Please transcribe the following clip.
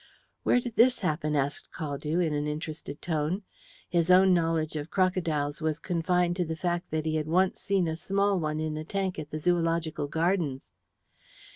"Where did this happen?" asked Caldew, in an interested tone. His own knowledge of crocodiles was confined to the fact that he had once seen a small one in a tank at the Zoological Gardens.